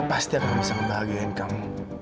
pasti akan bisa membahagiakan kamu